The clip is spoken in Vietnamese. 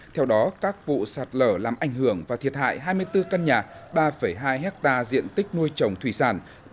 theo đó các vụ sạt lở làm ảnh hưởng và thiệt hại hai mươi bốn căn nhà ba hai hectare diện tích nuôi trồng thủy sản